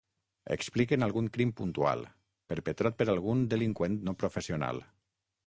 Expliquen algun crim puntual, perpetrat per algun delinqüent no professional.